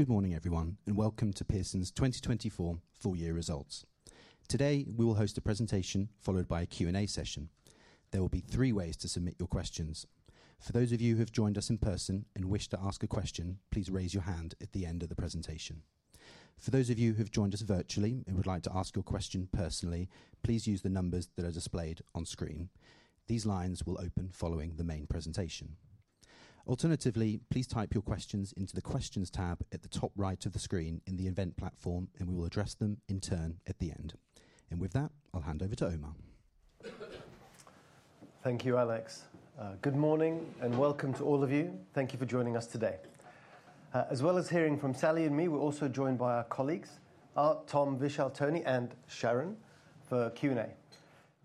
Good morning, everyone, and welcome to Pearson's 2024 full-year results. Today, we will host a presentation followed by a Q&A session. There will be three ways to submit your questions. For those of you who have joined us in person and wish to ask a question, please raise your hand at the end of the presentation. For those of you who have joined us virtually and would like to ask your question personally, please use the numbers that are displayed on screen. These lines will open following the main presentation. Alternatively, please type your questions into the Questions tab at the top right of the screen in the event platform, and we will address them in turn at the end. And with that, I'll hand over to Omar. Thank you, Alex. Good morning and welcome to all of you. Thank you for joining us today. As well as hearing from Sally and me, we're also joined by our colleagues, Tom, Vishaal, Tony, and Sharon for Q&A.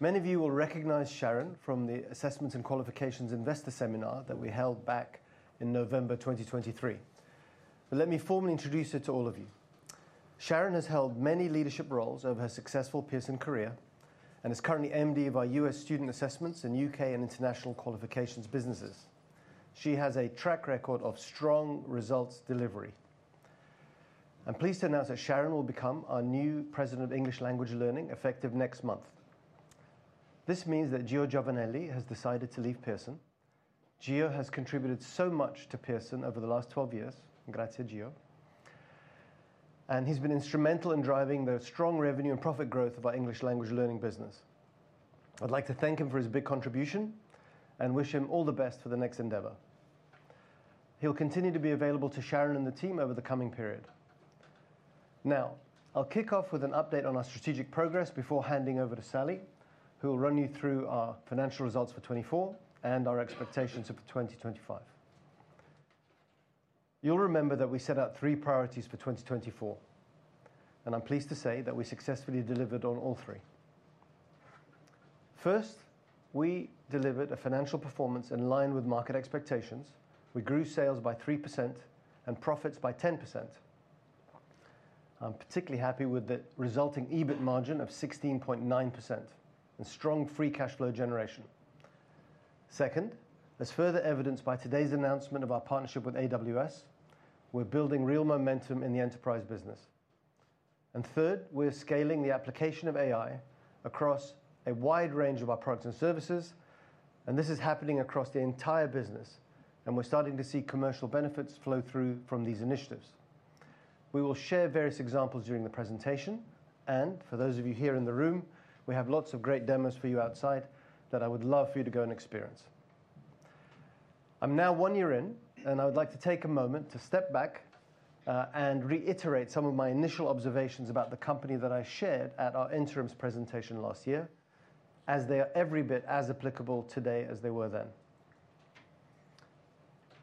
Many of you will recognize Sharon from the Assessments and Qualifications Investor Seminar that we held back in November 2023. But let me formally introduce her to all of you. Sharon has held many leadership roles over her successful Pearson career and is currently MD of our U.S. Student Assessments and U.K. and International Qualifications businesses. She has a track record of strong results delivery. I'm pleased to announce that Sharon will become our new President of English Language Learning effective next month. This means that Gio Giovannelli has decided to leave Pearson. Gio has contributed so much to Pearson over the last 12 years. Grazie, Gio. He's been instrumental in driving the strong revenue and profit growth of our English Language Learning business. I'd like to thank him for his big contribution and wish him all the best for the next endeavor. He'll continue to be available to Sharon and the team over the coming period. Now, I'll kick off with an update on our strategic progress before handing over to Sally, who will run you through our financial results for 2024 and our expectations for 2025. You'll remember that we set out three priorities for 2024, and I'm pleased to say that we successfully delivered on all three. First, we delivered a financial performance in line with market expectations. We grew sales by 3% and profits by 10%. I'm particularly happy with the resulting EBIT margin of 16.9% and strong free cash flow generation. Second, as further evidenced by today's announcement of our partnership with AWS, we're building real momentum in the enterprise business, and third, we're scaling the application of AI across a wide range of our products and services, and this is happening across the entire business, and we're starting to see commercial benefits flow through from these initiatives. We will share various examples during the presentation, and for those of you here in the room, we have lots of great demos for you outside that I would love for you to go and experience. I'm now one year in, and I would like to take a moment to step back and reiterate some of my initial observations about the company that I shared at our Interims presentation last year, as they are every bit as applicable today as they were then.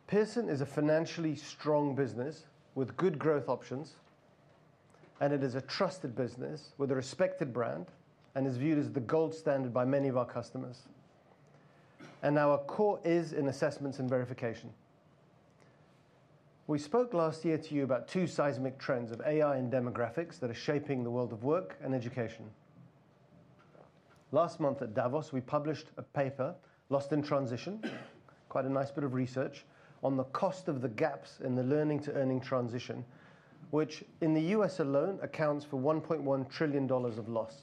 Pearson is a financially strong business with good growth options, and it is a trusted business with a respected brand and is viewed as the gold standard by many of our customers. Our core is in assessments and verification. We spoke last year to you about two seismic trends of AI and demographics that are shaping the world of work and education. Last month at Davos, we published a paper, Lost in Transition, quite a nice bit of research on the cost of the gaps in the learning to earning transition, which in the U.S. alone accounts for $1.1 trillion of loss.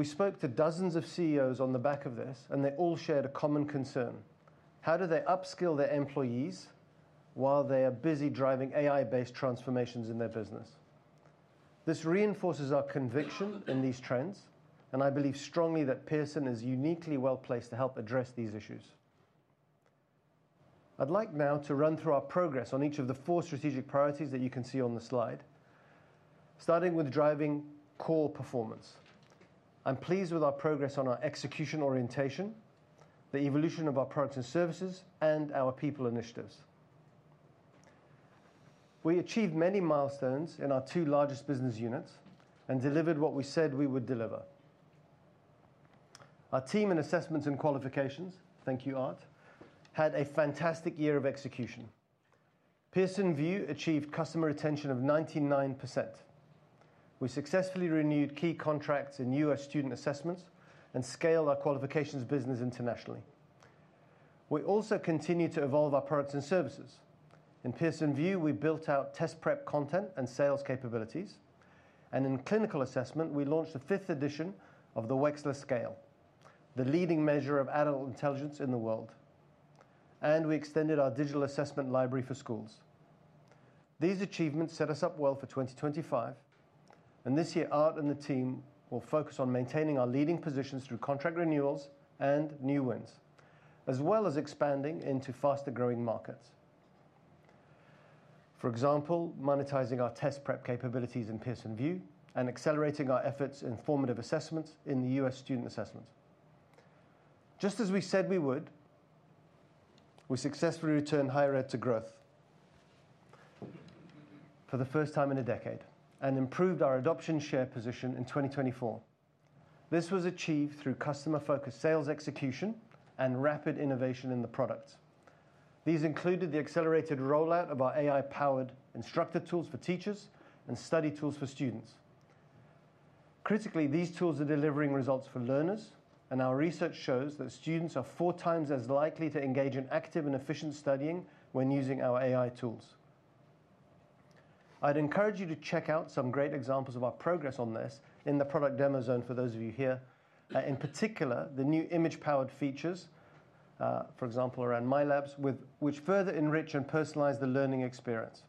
We spoke to dozens of CEOs on the back of this, and they all shared a common concern: how do they upskill their employees while they are busy driving AI-based transformations in their business? This reinforces our conviction in these trends, and I believe strongly that Pearson is uniquely well placed to help address these issues. I'd like now to run through our progress on each of the four strategic priorities that you can see on the slide, starting with driving core performance. I'm pleased with our progress on our execution orientation, the evolution of our products and services, and our people initiatives. We achieved many milestones in our two largest business units and delivered what we said we would deliver. Our team in Assessments and Qualifications, thank you, Art, had a fantastic year of execution. Pearson VUE achieved customer retention of 99%. We successfully renewed key contracts in U.S. Student Assessments and scaled our qualifications business internationally. We also continue to evolve our products and services. In Pearson VUE, we built out test-prep content and sales capabilities, and in Clinical Assessment, we launched the fifth edition of the Wechsler Scale, the leading measure of adult intelligence in the world, and we extended our digital assessment library for schools. These achievements set us up well for 2025, and this year, Art and the team will focus on maintaining our leading positions through contract renewals and new wins, as well as expanding into faster-growing markets. For example, monetizing our test-prep capabilities in Pearson VUE and accelerating our efforts in formative assessments in the U.S. Student Assessment. Just as we said we would, we successfully returned Higher Ed to growth for the first time in a decade and improved our adoption share position in 2024. This was achieved through customer-focused sales execution and rapid innovation in the products. These included the accelerated rollout of our AI-powered instructor tools for teachers and study tools for students. Critically, these tools are delivering results for learners, and our research shows that students are four times as likely to engage in active and efficient studying when using our AI tools. I'd encourage you to check out some great examples of our progress on this in the product demo zone for those of you here, in particular the new image-powered features, for example, around MyLabs, which further enrich and personalize the learning experience.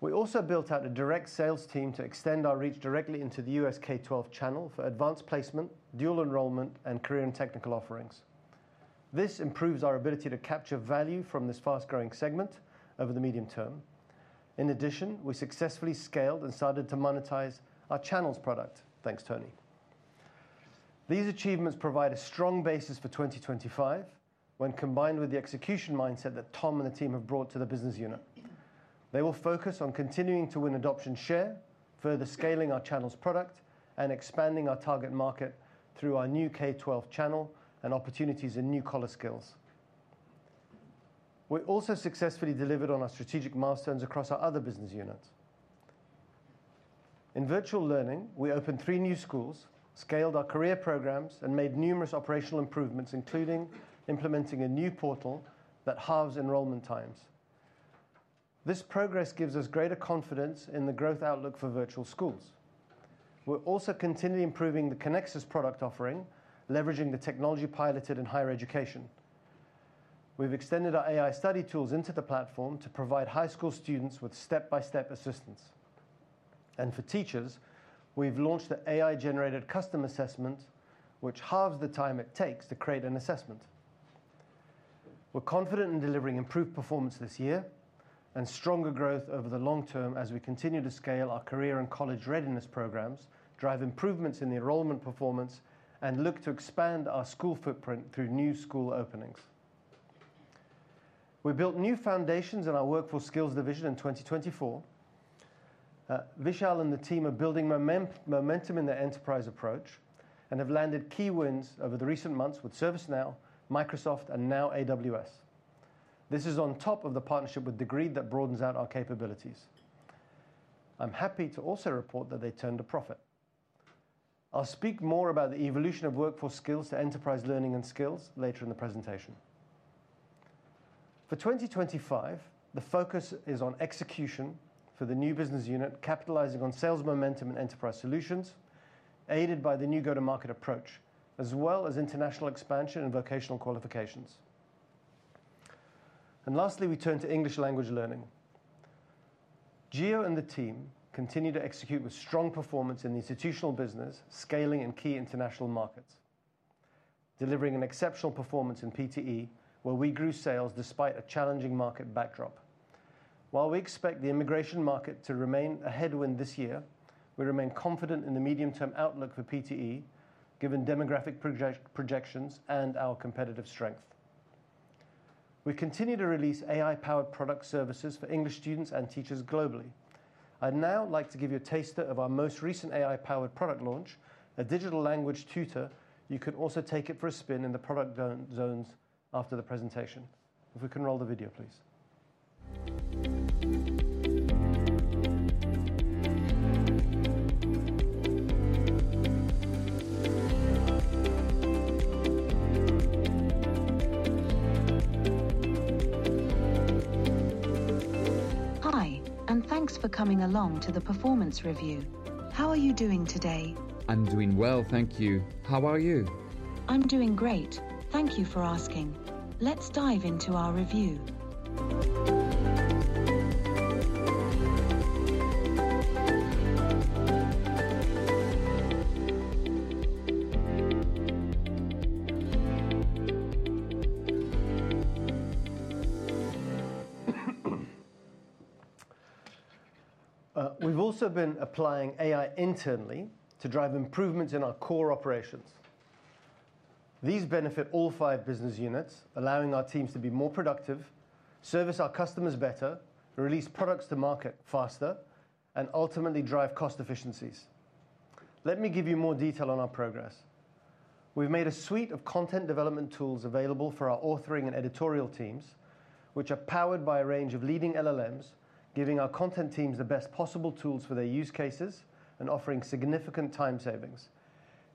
We also built out a direct sales team to extend our reach directly into the U.S. K-12 channel for Advanced Placement, dual enrollment, and career and technical offerings. This improves our ability to capture value from this fast-growing segment over the medium term. In addition, we successfully scaled and started to monetize our Channels product, thanks, Tony. These achievements provide a strong basis for 2025 when combined with the execution mindset that Tom and the team have brought to the business unit. They will focus on continuing to win adoption share, further scaling our Channels product, and expanding our target market through our new K-12 channel and opportunities in new collar skills. We also successfully delivered on our strategic milestones across our other business units. In Virtual Learning, we opened three new schools, scaled our career programs, and made numerous operational improvements, including implementing a new portal that halves enrollment times. This progress gives us greater confidence in the growth outlook for Virtual Schools. We're also continually improving the Connexus product offering, leveraging the technology piloted in Higher Education. We've extended our AI study tools into the platform to provide high school students with step-by-step assistance. And for teachers, we've launched the AI-generated custom assessment, which halves the time it takes to create an assessment. We're confident in delivering improved performance this year and stronger growth over the long term as we continue to scale our career and college readiness programs, drive improvements in the enrollment performance, and look to expand our school footprint through new school openings. We built new foundations in our Workforce Skills division in 2024. Vishaal and the team are building momentum in their enterprise approach and have landed key wins over the recent months with ServiceNow, Microsoft, and now AWS. This is on top of the partnership with Degreed that broadens out our capabilities. I'm happy to also report that they turned a profit. I'll speak more about the evolution of Workforce Skills to Enterprise Learning and Skills later in the presentation. For 2025, the focus is on execution for the new business unit, capitalizing on sales momentum and enterprise solutions, aided by the new go-to-market approach, as well as international expansion and Vocational Qualifications. Lastly, we turn to English Language Learning. Gio and the team continue to execute with strong performance in the institutional business, scaling in key international markets, delivering an exceptional performance in PTE, where we grew sales despite a challenging market backdrop. While we expect the immigration market to remain a headwind this year, we remain confident in the medium-term outlook for PTE, given demographic projections and our competitive strength. We continue to release AI-powered product services for English students and teachers globally. I'd now like to give you a taster of our most recent AI-powered product launch, a digital language tutor. You could also take it for a spin in the product zones after the presentation. If we can roll the video, please. Hi, and thanks for coming along to the performance review. How are you doing today? I'm doing well, thank you. How are you? I'm doing great, thank you for asking. Let's dive into our review. We've also been applying AI internally to drive improvements in our core operations. These benefit all five business units, allowing our teams to be more productive, service our customers better, release products to market faster, and ultimately drive cost efficiencies. Let me give you more detail on our progress. We've made a suite of content development tools available for our authoring and editorial teams, which are powered by a range of leading LLMs, giving our content teams the best possible tools for their use cases and offering significant time savings.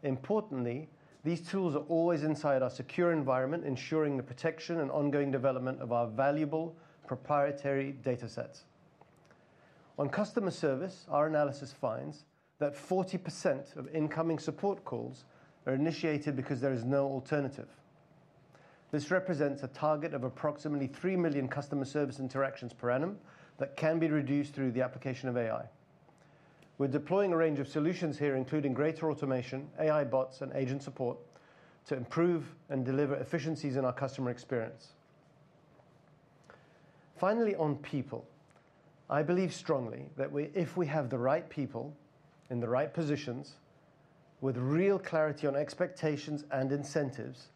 Importantly, these tools are always inside our secure environment, ensuring the protection and ongoing development of our valuable proprietary data sets. On customer service, our analysis finds that 40% of incoming support calls are initiated because there is no alternative. This represents a target of approximately 3 million customer service interactions per annum that can be reduced through the application of AI. We're deploying a range of solutions here, including greater automation, AI bots, and agent support to improve and deliver efficiencies in our customer experience. Finally, on people, I believe strongly that if we have the right people in the right positions with real clarity on expectations and incentives,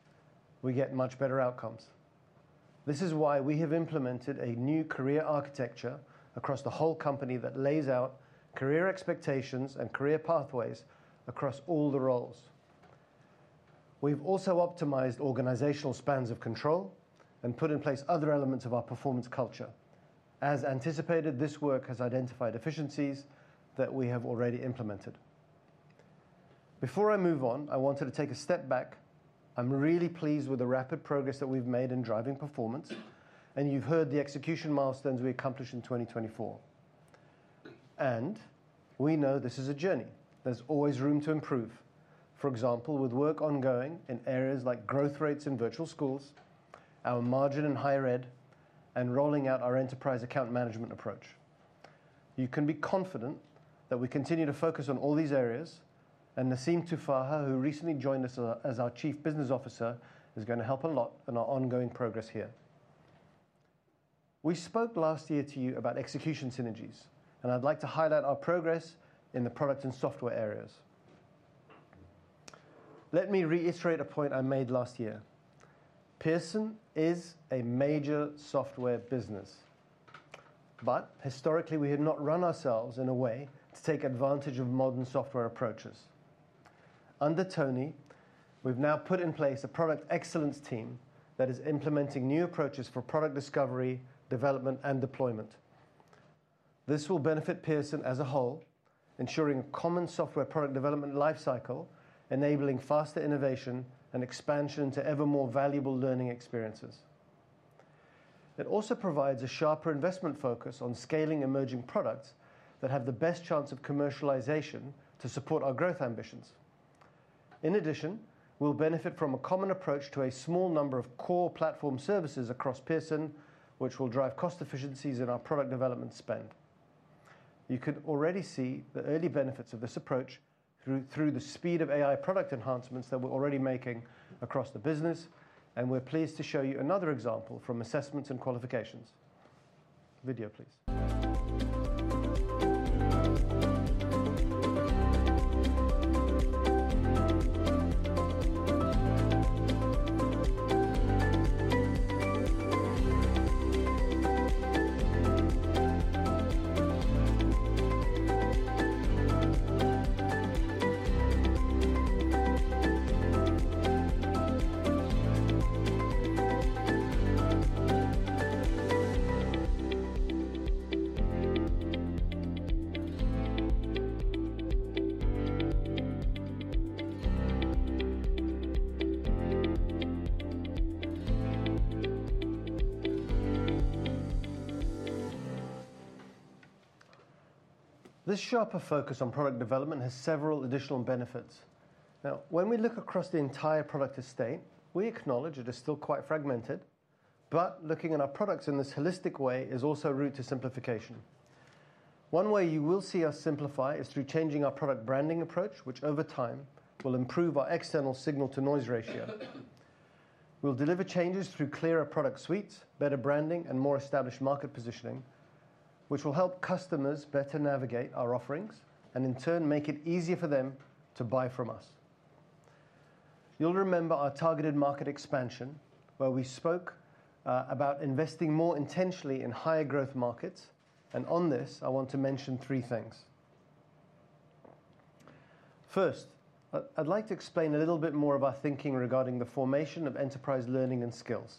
we get much better outcomes. This is why we have implemented a new career architecture across the whole company that lays out career expectations and career pathways across all the roles. We've also optimized organizational spans of control and put in place other elements of our performance culture. As anticipated, this work has identified efficiencies that we have already implemented. Before I move on, I wanted to take a step back. I'm really pleased with the rapid progress that we've made in driving performance, and you've heard the execution milestones we accomplished in 2024, and we know this is a journey. There's always room to improve, for example, with work ongoing in areas like growth rates in Virtual Schools, our margin in Higher Ed, and rolling out our enterprise account management approach. You can be confident that we continue to focus on all these areas, and Naseem Tuffaha, who recently joined us as our Chief Business Officer, is going to help a lot in our ongoing progress here. We spoke last year to you about execution synergies, and I'd like to highlight our progress in the product and software areas. Let me reiterate a point I made last year. Pearson is a major software business, but historically, we had not run ourselves in a way to take advantage of modern software approaches. Under Tony, we've now put in place a product excellence team that is implementing new approaches for product discovery, development, and deployment. This will benefit Pearson as a whole, ensuring a common software product development lifecycle, enabling faster innovation and expansion into ever more valuable learning experiences. It also provides a sharper investment focus on scaling emerging products that have the best chance of commercialization to support our growth ambitions. In addition, we'll benefit from a common approach to a small number of core platform services across Pearson, which will drive cost efficiencies in our product development spend. You can already see the early benefits of this approach through the speed of AI product enhancements that we're already making across the business, and we're pleased to show you another example from assessments and qualifications. Video, please. This sharper focus on product development has several additional benefits. Now, when we look across the entire product estate, we acknowledge it is still quite fragmented, but looking at our products in this holistic way is also a route to simplification. One way you will see us simplify is through changing our product branding approach, which over time will improve our external signal-to-noise ratio. We'll deliver changes through clearer product suites, better branding, and more established market positioning, which will help customers better navigate our offerings and, in turn, make it easier for them to buy from us. You'll remember our targeted market expansion, where we spoke about investing more intentionally in higher growth markets, and on this, I want to mention three things. First, I'd like to explain a little bit more of our thinking regarding the formation of Enterprise Learning and Skills.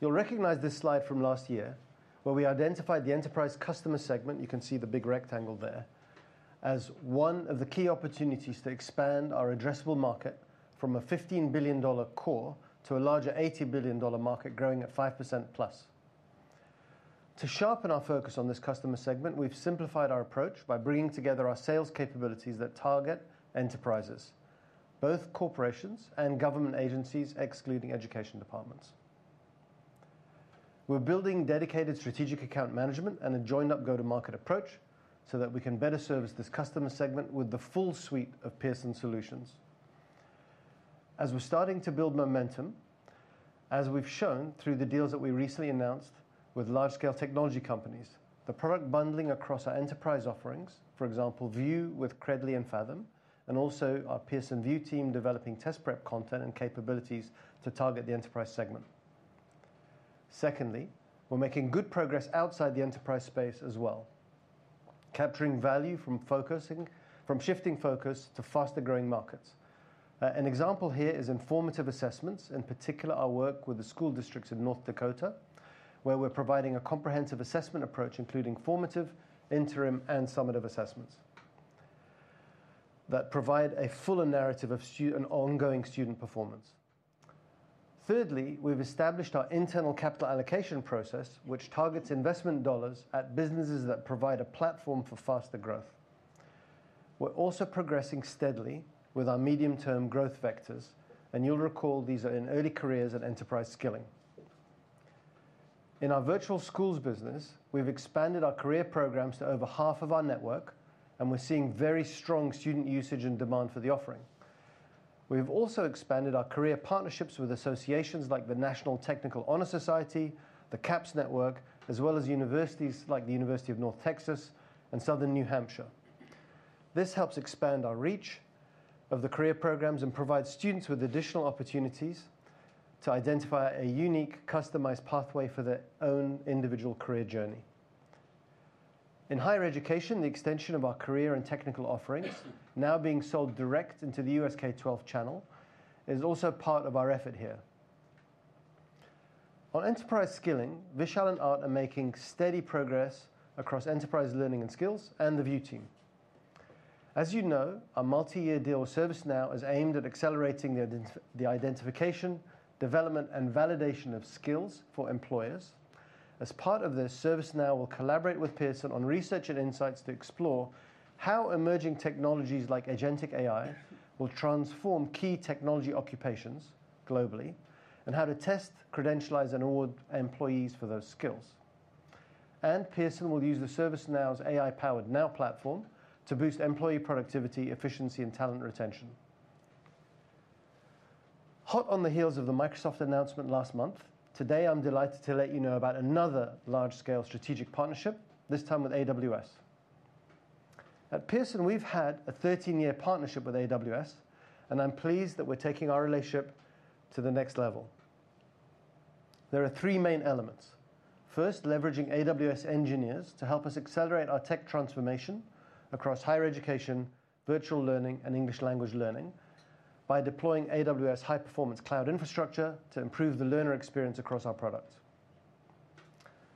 You'll recognize this slide from last year, where we identified the enterprise customer segment. You can see the big rectangle there as one of the key opportunities to expand our addressable market from a $15 billion core to a larger $80 billion market, growing at 5% plus. To sharpen our focus on this customer segment, we've simplified our approach by bringing together our sales capabilities that target enterprises, both corporations and government agencies, excluding education departments. We're building dedicated strategic account management and a joined-up go-to-market approach so that we can better service this customer segment with the full suite of Pearson solutions. As we're starting to build momentum, as we've shown through the deals that we recently announced with large-scale technology companies, the product bundling across our enterprise offerings, for example, VUE with Credly and Faethm, and also our Pearson VUE team developing test prep content and capabilities to target the enterprise segment. Secondly, we're making good progress outside the enterprise space as well, capturing value from shifting focus to faster-growing markets. An example here is formative assessments, in particular our work with the school districts in North Dakota, where we're providing a comprehensive assessment approach, including formative, interim, and summative assessments that provide a fuller narrative of ongoing student performance. Thirdly, we've established our internal capital allocation process, which targets investment dollars at businesses that provide a platform for faster growth. We're also progressing steadily with our medium-term growth vectors, and you'll recall these are in early careers and enterprise skilling. In our Virtual Schools business, we've expanded our career programs to over half of our network, and we're seeing very strong student usage and demand for the offering. We've also expanded our career partnerships with associations like the National Technical Honor Society, the CAPS Network, as well as universities like the University of North Texas and Southern New Hampshire. This helps expand our reach of the career programs and provides students with additional opportunities to identify a unique, customized pathway for their own individual career journey. In Higher Education, the extension of our career and technical offerings, now being sold direct into the U.S. K-12 channel, is also part of our effort here. On enterprise skilling, Vishaal and Art are making steady progress across Enterprise Learning and Skills and the VUE team. As you know, our multi-year deal with ServiceNow is aimed at accelerating the identification, development, and validation of skills for employers. As part of this, ServiceNow will collaborate with Pearson on research and insights to explore how emerging technologies like Agentic AI will transform key technology occupations globally and how to test, credentialize, and award employees for those skills, and Pearson will use ServiceNow's AI-powered Now Platform to boost employee productivity, efficiency, and talent retention. Hot on the heels of the Microsoft announcement last month, today I'm delighted to let you know about another large-scale strategic partnership, this time with AWS. At Pearson, we've had a 13-year partnership with AWS, and I'm pleased that we're taking our relationship to the next level. There are three main elements. First, leveraging AWS engineers to help us accelerate our tech transformation across Higher Education, Virtual Learning, and English Language Learning by deploying AWS high-performance cloud infrastructure to improve the learner experience across our products.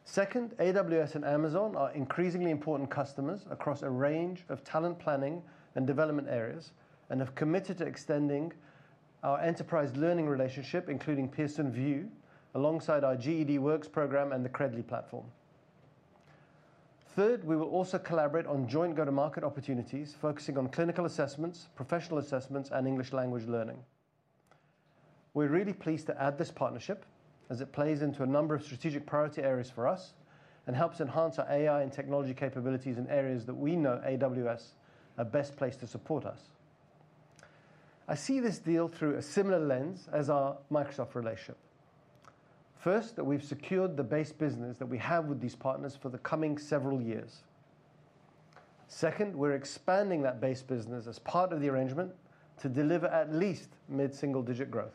Second, AWS and Amazon are increasingly important customers across a range of talent planning and development areas and have committed to extending our enterprise learning relationship, including Pearson VUE alongside our GEDWorks program and the Credly platform. Third, we will also collaborate on joint go-to-market opportunities focusing on Clinical Assessments, Professional Assessments, and English Language Learning. We're really pleased to add this partnership as it plays into a number of strategic priority areas for us and helps enhance our AI and technology capabilities in areas that we know AWS are best placed to support us. I see this deal through a similar lens as our Microsoft relationship. First, that we've secured the base business that we have with these partners for the coming several years. Second, we're expanding that base business as part of the arrangement to deliver at least mid-single-digit growth,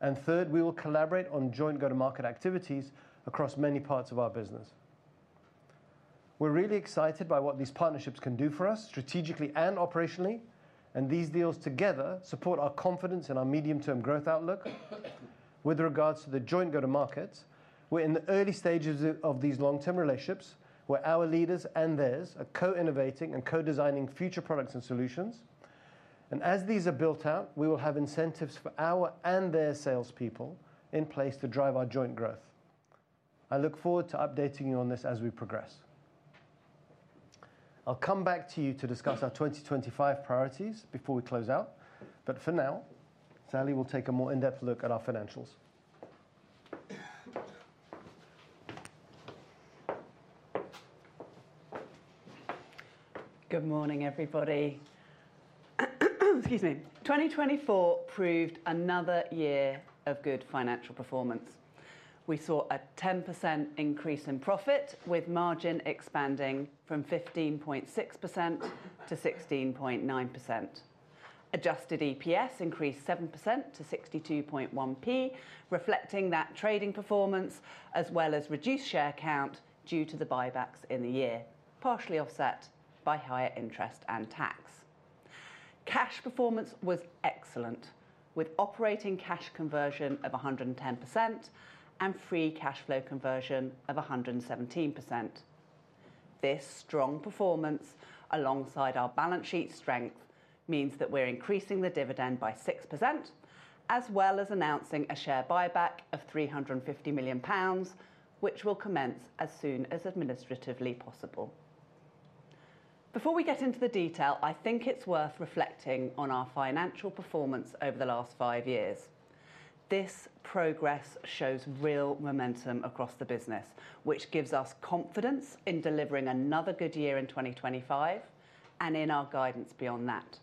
and third, we will collaborate on joint go-to-market activities across many parts of our business. We're really excited by what these partnerships can do for us strategically and operationally, and these deals together support our confidence in our medium-term growth outlook with regards to the joint go-to-market. We're in the early stages of these long-term relationships where our leaders and theirs are co-innovating and co-designing future products and solutions, and as these are built out, we will have incentives for our and their salespeople in place to drive our joint growth. I look forward to updating you on this as we progress. I'll come back to you to discuss our 2025 priorities before we close out, but for now, Sally will take a more in-depth look at our financials. Good morning, everybody. Excuse me. 2024 proved another year of good financial performance. We saw a 10% increase in profit, with margin expanding from 15.6% to 16.9%. Adjusted EPS increased 7% to 0.621, reflecting that trading performance as well as reduced share count due to the buybacks in the year, partially offset by higher interest and tax. Cash performance was excellent, with operating cash conversion of 110% and free cash flow conversion of 117%. This strong performance alongside our balance sheet strength means that we're increasing the dividend by 6%, as well as announcing a share buyback of 350 million pounds, which will commence as soon as administratively possible. Before we get into the detail, I think it's worth reflecting on our financial performance over the last five years. This progress shows real momentum across the business, which gives us confidence in delivering another good year in 2025 and in our guidance beyond that.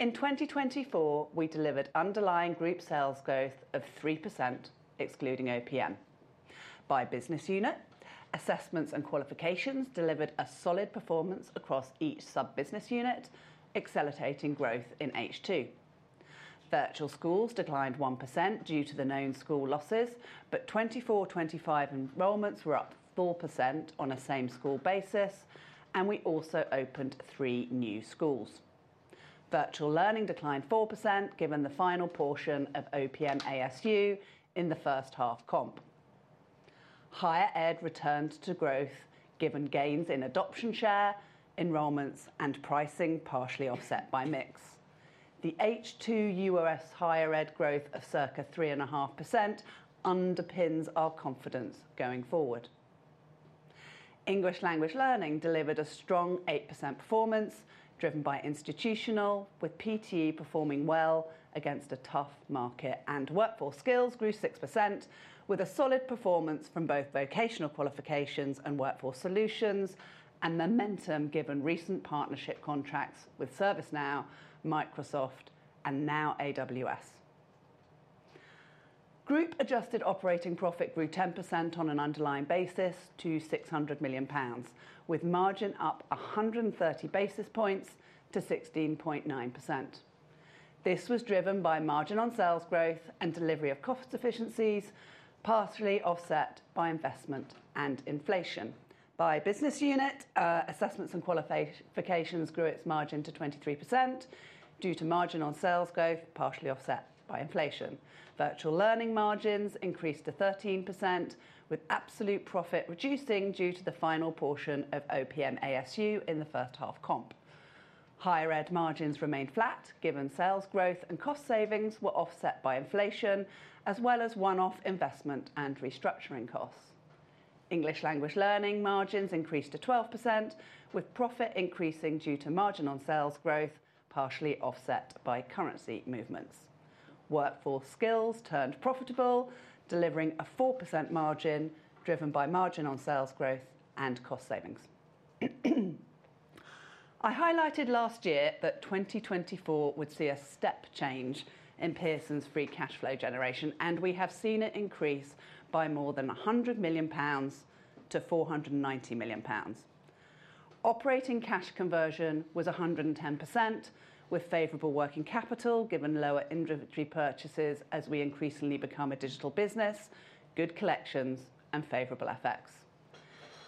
In 2024, we delivered underlying group sales growth of 3%, excluding OPM. By business unit, Assessments and Qualifications delivered a solid performance across each sub-business unit, accelerating growth in H2. Virtual Schools declined 1% due to the known school losses, but 24/25 enrollments were up 4% on a same-school basis, and we also opened three new schools. Virtual Learning declined 4%, given the final portion of OPM ASU in the first half comp. Higher Ed returned to growth, given gains in adoption share, enrollments, and pricing partially offset by mix. The H2 U.S. Higher Ed growth of circa 3.5% underpins our confidence going forward. English Language Learning delivered a strong 8% performance, driven by institutional, with PTE performing well against a tough market, and Workforce Skills grew 6%, with a solid performance from both Vocational Qualifications and Workforce Solutions, and momentum given recent partnership contracts with ServiceNow, Microsoft, and now AWS. Group adjusted operating profit grew 10% on an underlying basis to 600 million pounds, with margin up 130 basis points to 16.9%. This was driven by margin on sales growth and delivery of cost efficiencies, partially offset by investment and inflation. By business unit, Assessments and Qualifications grew its margin to 23% due to margin on sales growth, partially offset by inflation. Virtual Learning margins increased to 13%, with absolute profit reducing due to the final portion of OPM ASU in the first half comp. Higher Ed margins remained flat, given sales growth and cost savings were offset by inflation, as well as one-off investment and restructuring costs. English Language Learning margins increased to 12%, with profit increasing due to margin on sales growth, partially offset by currency movements. Workforce Skills turned profitable, delivering a 4% margin driven by margin on sales growth and cost savings. I highlighted last year that 2024 would see a step change in Pearson's free cash flow generation, and we have seen it increase by more than 100 million-490 million pounds. Operating cash conversion was 110%, with favorable working capital, given lower inventory purchases as we increasingly become a digital business, good collections, and favorable effects.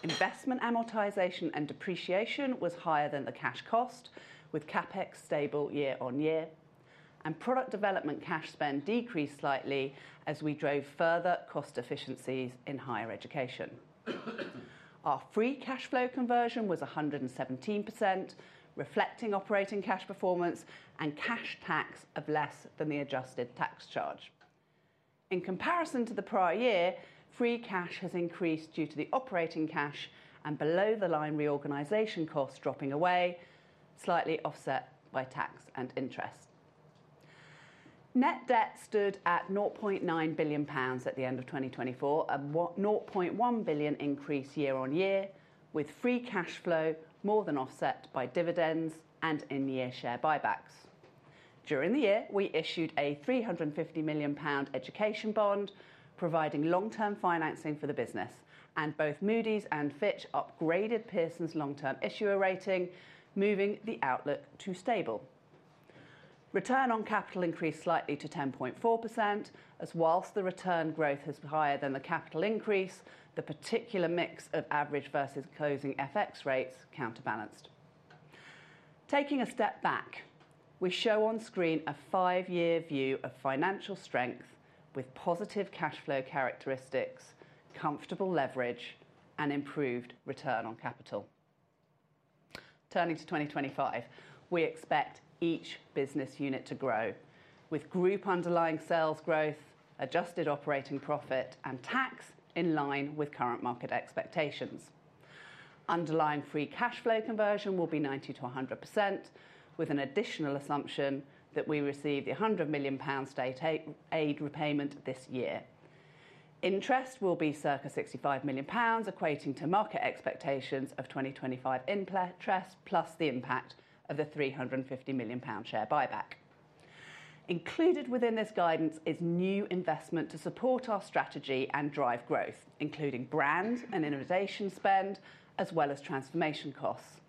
Investment amortization and depreciation was higher than the cash cost, with CapEx stable year on year, and product development cash spend decreased slightly as we drove further cost efficiencies in Higher Education. Our free cash flow conversion was 117%, reflecting operating cash performance and cash tax of less than the adjusted tax charge. In comparison to the prior year, free cash has increased due to the operating cash and below-the-line reorganization costs dropping away, slightly offset by tax and interest. Net debt stood at 0.9 billion pounds at the end of 2024, a 0.1 billion increase year-on-year, with free cash flow more than offset by dividends and in-year share buybacks. During the year, we issued a 350 million pound education bond, providing long-term financing for the business, and both Moody's and Fitch upgraded Pearson's long-term issuer rating, moving the outlook to stable. Return on capital increased slightly to 10.4%, as while the return growth is higher than the capital increase, the particular mix of average versus closing FX rates counterbalanced. Taking a step back, we show on screen a five-year view of financial strength with positive cash flow characteristics, comfortable leverage, and improved return on capital. Turning to 2025, we expect each business unit to grow, with group underlying sales growth, adjusted operating profit, and tax in line with current market expectations. Underlying free cash flow conversion will be 90% to 100%, with an additional assumption that we receive the 100 million pounds state aid repayment this year. Interest will be circa 65 million pounds, equating to market expectations of 2025 interest, plus the impact of the 350 million pound share buyback. Included within this guidance is new investment to support our strategy and drive growth, including brand and innovation spend, as well as transformation costs.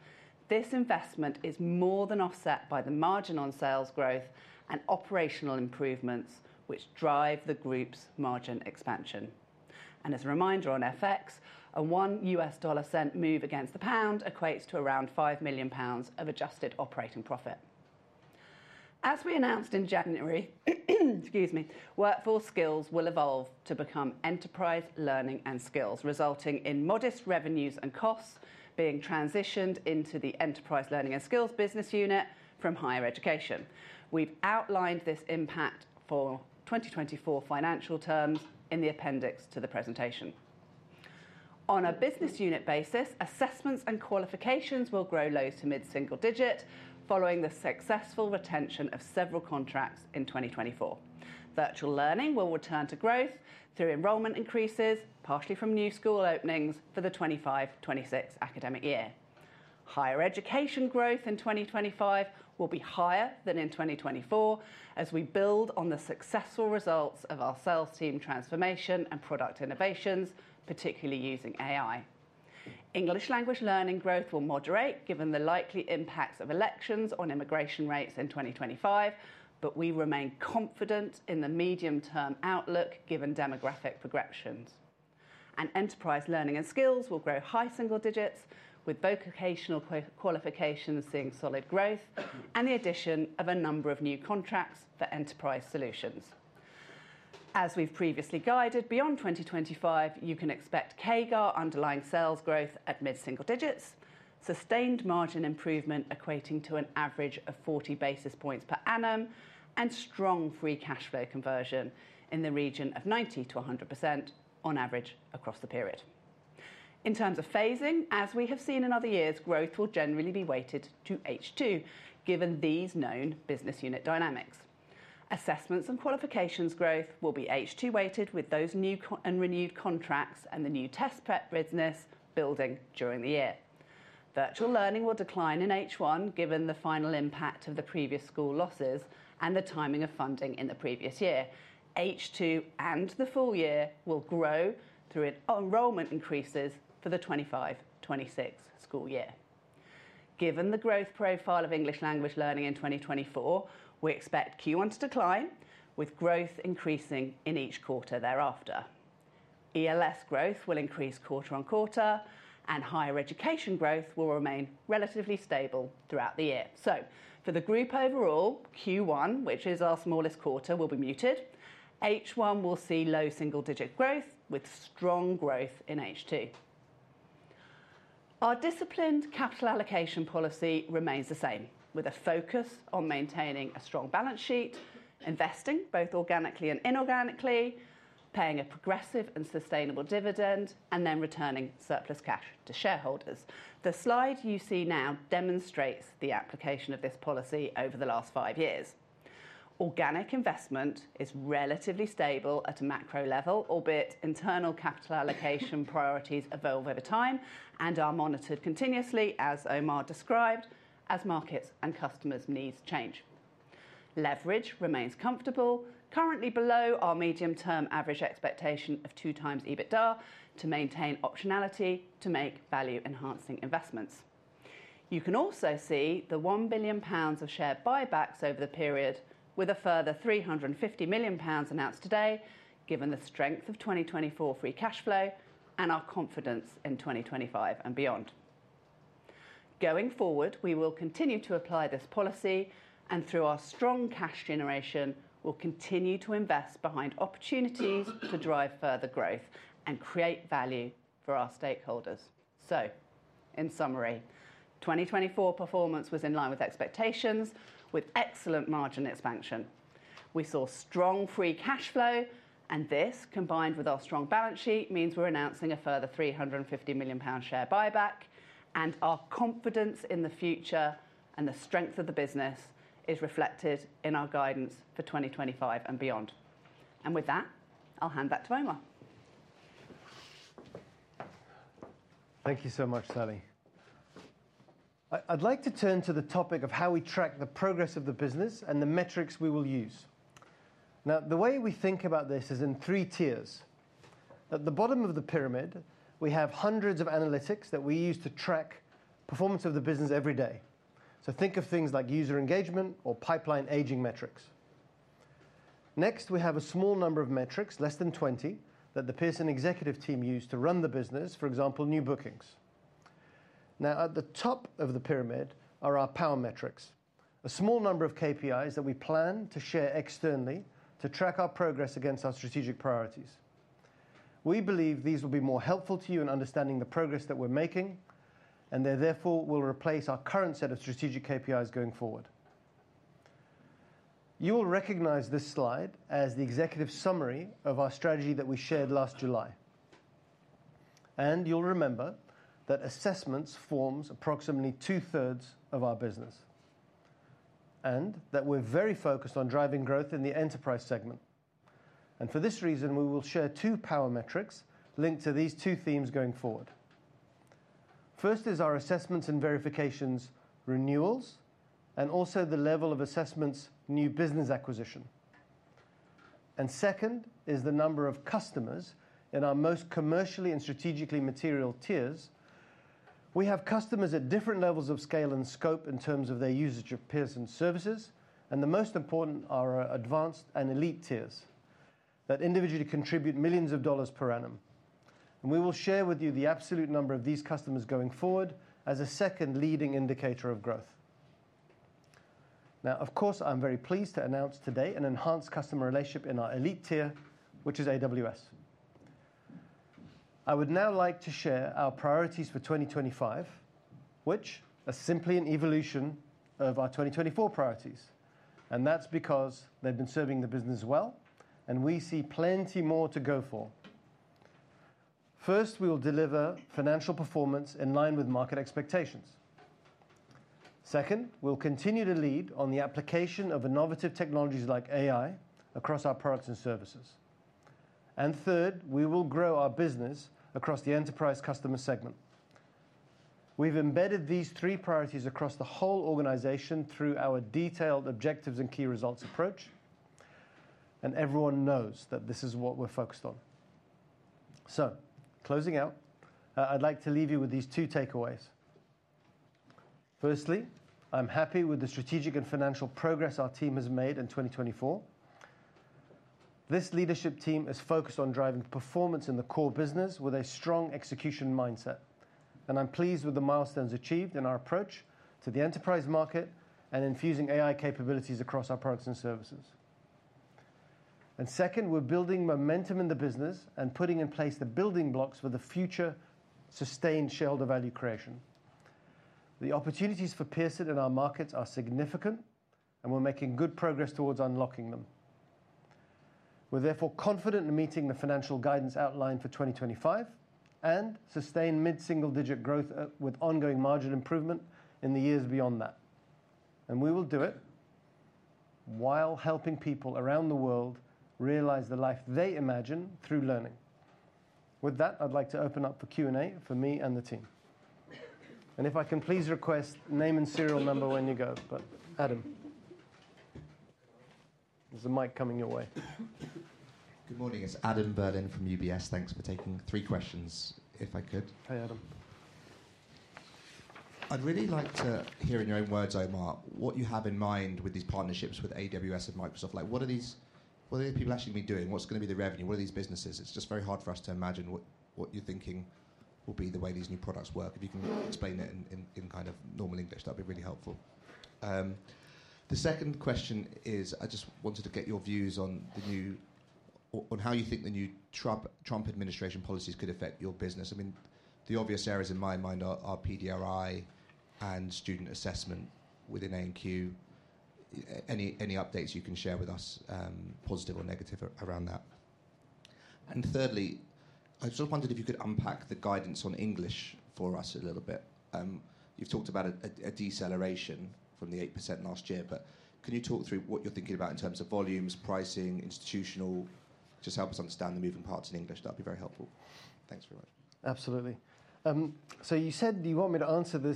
This investment is more than offset by the margin on sales growth and operational improvements, which drive the group's margin expansion. As a reminder on FX, a $0.01 move against the pound equates to around 5 million pounds of adjusted operating profit. As we announced in January, excuse me, Workforce Skills will evolve to become Enterprise Learning and Skills, resulting in modest revenues and costs being transitioned into the Enterprise Learning and Skills business unit from Higher Education. We've outlined this impact for 2024 financial terms in the appendix to the presentation. On a business unit basis, Assessments and Qualifications will grow low- to mid-single-digit following the successful retention of several contracts in 2024. Virtual Learning will return to growth through enrollment increases, partially from new school openings for the 2025-2026 academic year. Higher Education growth in 2025 will be higher than in 2024 as we build on the successful results of our sales team transformation and product innovations, particularly using AI. English Language Learning growth will moderate given the likely impacts of elections on immigration rates in 2025, but we remain confident in the medium-term outlook given demographic progressions, and Enterprise Learning and Skills will grow high single digits, with Vocational Qualifications seeing solid growth and the addition of a number of new contracts for enterprise solutions. As we've previously guided, beyond 2025, you can expect CAGR underlying sales growth at mid-single digits, sustained margin improvement equating to an average of 40 basis points per annum, and strong free cash flow conversion in the region of 90% to 100% on average across the period. In terms of phasing, as we have seen in other years, growth will generally be weighted to H2, given these known business unit dynamics. Assessments and Qualifications growth will be H2 weighted with those new and renewed contracts and the new test prep business building during the year. Virtual Learning will decline in H1 given the final impact of the previous school losses and the timing of funding in the previous year. H2 and the full year will grow through enrollment increases for the 2025-2026 school year. Given the growth profile of English Language Learning in 2024, we expect Q1 to decline, with growth increasing in each quarter thereafter. ELS growth will increase quarter on quarter, and Higher Education growth will remain relatively stable throughout the year. So for the group overall, Q1, which is our smallest quarter, will be muted. H1 will see low single-digit growth, with strong growth in H2. Our disciplined capital allocation policy remains the same, with a focus on maintaining a strong balance sheet, investing both organically and inorganically, paying a progressive and sustainable dividend, and then returning surplus cash to shareholders. The slide you see now demonstrates the application of this policy over the last five years. Organic investment is relatively stable at a macro level, albeit internal capital allocation priorities evolve over time and are monitored continuously, as Omar described, as markets and customers' needs change. Leverage remains comfortable, currently below our medium-term average expectation of two times EBITDA to maintain optionality to make value-enhancing investments. You can also see the 1 billion pounds of share buybacks over the period, with a further 350 million pounds announced today, given the strength of 2024 free cash flow and our confidence in 2025 and beyond. Going forward, we will continue to apply this policy, and through our strong cash generation, we'll continue to invest behind opportunities to drive further growth and create value for our stakeholders. So, in summary, 2024 performance was in line with expectations, with excellent margin expansion. We saw strong free cash flow, and this, combined with our strong balance sheet, means we're announcing a further 350 million pound share buyback, and our confidence in the future and the strength of the business is reflected in our guidance for 2025 and beyond. And with that, I'll hand that to Omar. Thank you so much, Sally. I'd like to turn to the topic of how we track the progress of the business and the metrics we will use. Now, the way we think about this is in three tiers. At the bottom of the pyramid, we have hundreds of analytics that we use to track performance of the business every day. So think of things like user engagement or pipeline aging metrics. Next, we have a small number of metrics, less than 20, that the Pearson executive team used to run the business, for example, new bookings. Now, at the top of the pyramid are our power metrics, a small number of KPIs that we plan to share externally to track our progress against our strategic priorities. We believe these will be more helpful to you in understanding the progress that we're making, and they therefore will replace our current set of strategic KPIs going forward. You'll recognize this slide as the executive summary of our strategy that we shared last July. You'll remember that assessments form approximately two-thirds of our business, and that we're very focused on driving growth in the enterprise segment. For this reason, we will share two power metrics linked to these two themes going forward. First is our assessments and qualifications renewals, and also the level of assessments new business acquisition. Second is the number of customers in our most commercially and strategically material tiers. We have customers at different levels of scale and scope in terms of their usage of Pearson services, and the most important are our advanced and elite tiers that individually contribute millions of dollars per annum. We will share with you the absolute number of these customers going forward as a second leading indicator of growth. Now, of course, I'm very pleased to announce today an enhanced customer relationship in our elite tier, which is AWS. I would now like to share our priorities for 2025, which are simply an evolution of our 2024 priorities, and that's because they've been serving the business well, and we see plenty more to go for. First, we will deliver financial performance in line with market expectations. Second, we'll continue to lead on the application of innovative technologies like AI across our products and services. And third, we will grow our business across the enterprise customer segment. We've embedded these three priorities across the whole organization through our detailed objectives and key results approach, and everyone knows that this is what we're focused on, so closing out, I'd like to leave you with these two takeaways. Firstly, I'm happy with the strategic and financial progress our team has made in 2024. This leadership team is focused on driving performance in the core business with a strong execution mindset. I'm pleased with the milestones achieved in our approach to the enterprise market and infusing AI capabilities across our products and services. Second, we're building momentum in the business and putting in place the building blocks for the future sustained shareholder value creation. The opportunities for Pearson in our markets are significant, and we're making good progress towards unlocking them. We're therefore confident in meeting the financial guidance outlined for 2025 and sustain mid-single digit growth with ongoing margin improvement in the years beyond that. We will do it while helping people around the world realize the life they imagine through learning. With that, I'd like to open up for Q&A for me and the team. If I can please request name and affiliation when you go, but Adam. There's a mic coming your way. Good morning. It's Adam Berlin from UBS. Thanks for taking three questions, if I could. Hey, Adam. I'd really like to hear in your own words, Omar, what you have in mind with these partnerships with AWS and Microsoft. What are these people actually going to be doing? What's going to be the revenue? What are these businesses? It's just very hard for us to imagine what you're thinking will be the way these new products work. If you can explain it in kind of normal English, that'd be really helpful. The second question is, I just wanted to get your views on how you think the new Trump administration policies could affect your business. I mean, the obvious areas in my mind are PDRI and student assessment within A&Q. Any updates you can share with us, positive or negative, around that? And thirdly, I just wondered if you could unpack the guidance on English for us a little bit. You've talked about a deceleration from the 8% last year, but can you talk through what you're thinking about in terms of volumes, pricing, institutional? Just help us understand the moving parts in English. That'd be very helpful. Thanks very much. Absolutely. So you said you want me to answer the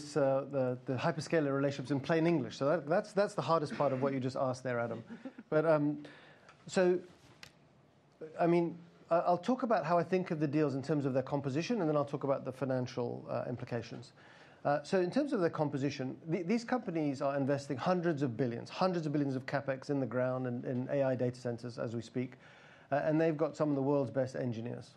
hyperscaler relationships in plain English. So that's the hardest part of what you just asked there, Adam. So I mean, I'll talk about how I think of the deals in terms of their composition, and then I'll talk about the financial implications. So in terms of their composition, these companies are investing hundreds of billions, hundreds of billions of CapEx in the ground and in AI data centers as we speak. And they've got some of the world's best engineers.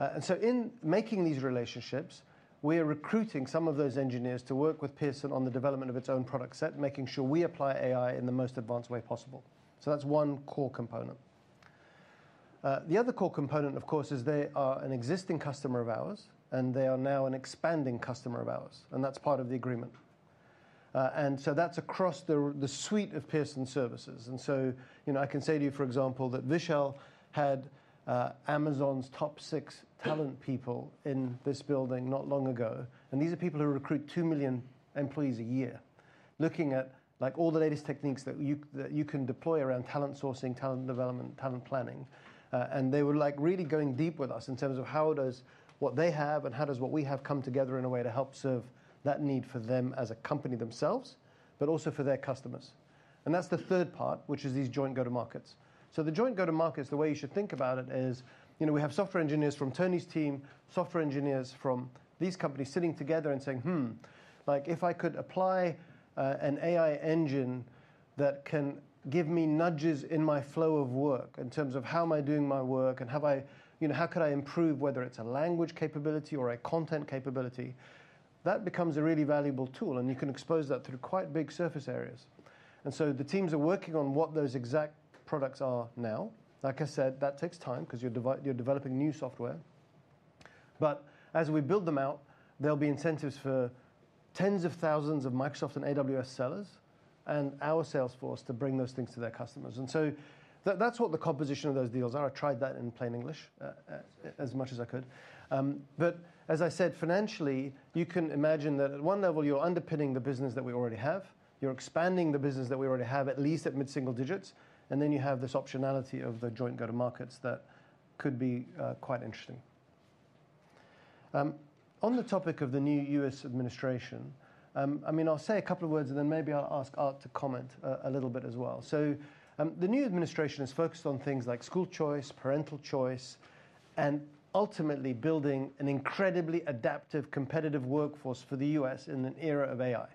And so in making these relationships, we are recruiting some of those engineers to work with Pearson on the development of its own product set, making sure we apply AI in the most advanced way possible. So that's one core component. The other core component, of course, is they are an existing customer of ours, and they are now an expanding customer of ours. And that's part of the agreement. And so that's across the suite of Pearson services. And so I can say to you, for example, that Vishaal had Amazon's top six talent people in this building not long ago. And these are people who recruit two million employees a year, looking at all the latest techniques that you can deploy around talent sourcing, talent development, talent planning. And they were really going deep with us in terms of what they have and how does what we have come together in a way to help serve that need for them as a company themselves, but also for their customers. And that's the third part, which is these joint go-to-markets. So the joint go-to-markets, the way you should think about it is we have software engineers from Tony's team, software engineers from these companies sitting together and saying, "If I could apply an AI engine that can give me nudges in my flow of work in terms of how am I doing my work and how could I improve whether it's a language capability or a content capability?" That becomes a really valuable tool, and you can expose that through quite big surface areas. And so the teams are working on what those exact products are now. Like I said, that takes time because you're developing new software, but as we build them out, there'll be incentives for tens of thousands of Microsoft and AWS sellers and our sales force to bring those things to their customers, and so that's what the composition of those deals are. I tried that in plain English as much as I could, but as I said, financially, you can imagine that at one level, you're underpinning the business that we already have. You're expanding the business that we already have, at least at mid-single digits, and then you have this optionality of the joint go-to-markets that could be quite interesting. On the topic of the new U.S. administration, I mean, I'll say a couple of words, and then maybe I'll ask Art to comment a little bit as well. So the new administration is focused on things like school choice, parental choice, and ultimately building an incredibly adaptive, competitive workforce for the U.S. in an era of AI.